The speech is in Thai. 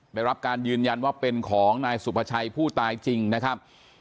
ได้รับการยืนยันว่าเป็นของนายสุภาชัยผู้ตายจริงนะครับ